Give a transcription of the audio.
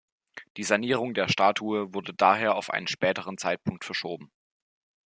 Die Sanierung der Statue wurde daher auf einen späteren Zeitpunkt verschoben.